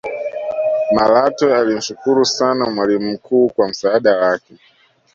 malatwe alimshukru sana mwalimu mkuu kwa msaada wake